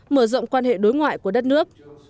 mở rộng quan hệ đối ngoại của đất nước